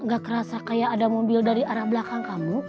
gak kerasa kayak ada mobil dari arah belakang kamu